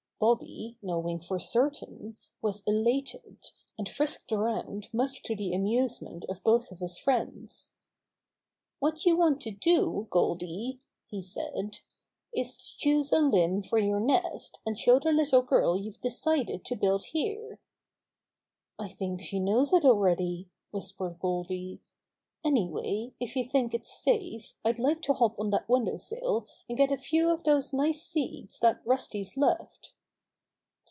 Bobby, knowing for certain, was elated, and frisked around much to the amuse ment of both of his friends. * What you want to do, Goldy," he said, "is to choose a limb for your nest, and show the little girl youVe decided to build here." "I think she knows it already," whispered Goldy. "Anyway, if you think it's safe, I'd like to hop on that window sill and get a few of those nice seeds that Rusty's left."